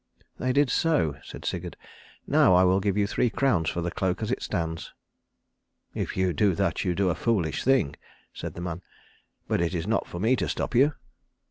"They did so," said Sigurd. "Now I will give you three crowns for the cloak as it stands." "If you do that you do a foolish thing," said the man, "but it is not for me to stop you.